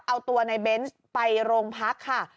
เอาตัวในเบนส์ไปโรงพักค่ะ